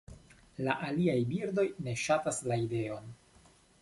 La aliaj birdoj ne ŝatas la ideon.